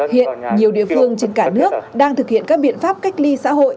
hiện nhiều địa phương trên cả nước đang thực hiện các biện pháp cách ly xã hội